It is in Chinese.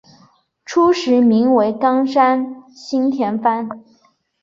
初时名为冈山新田藩。